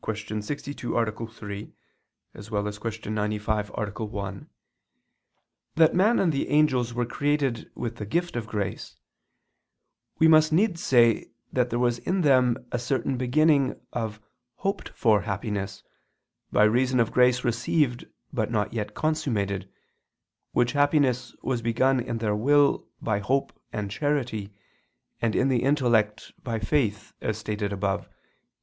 62, A. 3; Q. 95, A. 1) that man and the angels were created with the gift of grace, we must needs say that there was in them a certain beginning of hoped for happiness, by reason of grace received but not yet consummated, which happiness was begun in their will by hope and charity, and in the intellect by faith, as stated above (Q.